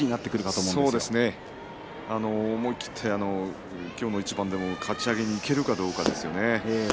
そうですね思い切って今日の一番でもかち上げにいけるかどうかですよね。